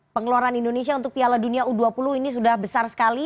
pengeluaran indonesia untuk piala dunia u dua puluh ini sudah besar sekali